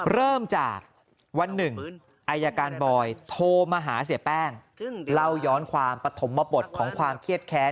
เริ่มจากวันหนึ่งอายการบอยโทรมาหาเสียแป้งเล่าย้อนความปฐมบทของความเครียดแค้น